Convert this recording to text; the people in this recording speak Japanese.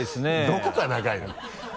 どこが長いのよ？